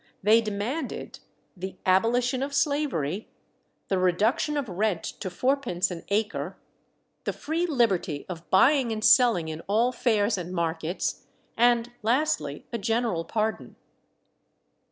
They demanded The abolition of slavery; the reduction of rent to fourpence an acre; the free liberty of buying and selling in all fairs and markets; and lastly a general pardon.